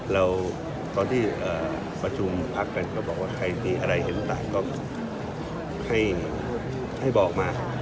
ตอนที่ประชุมพักกันก็บอกว่าใครมีอะไรเห็นต่างก็ให้บอกมา